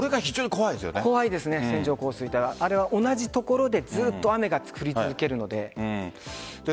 怖いですね、線状降水帯はあれは同じ所でずっと雨が降り続けるので。